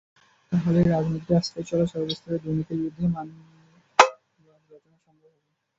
তাহলেই রাজনীতির আশ্রয়ে চলা সর্বস্তরের দুর্নীতির বিরুদ্ধে মানববাঁধ রচনা সম্ভব হবে।